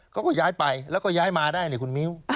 เขาก็ย้ายไปแล้วก็ย้ายมาได้เนี่ยคุณมิ้ว